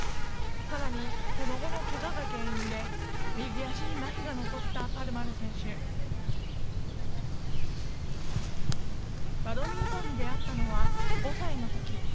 更にその後のけがが原因で右足にまひが残ったパルマル選手バドミントンに出会ったのは５歳の時。